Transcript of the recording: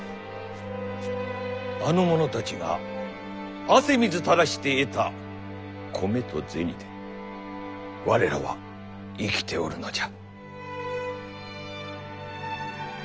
あの者たちが汗水垂らして得た米と銭で我らは生きておるのじゃ。